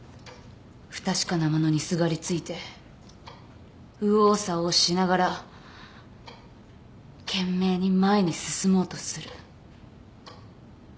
不確かなものにすがりついて右往左往しながら懸命に前に進もうとする。